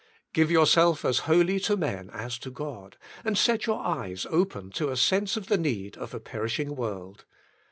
Give yourself as wholly to men as to God, and set your eyes open to a sense of the need of a perishing world.